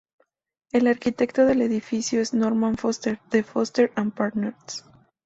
El arquitecto del edificio es Norman Foster de Foster and Partners.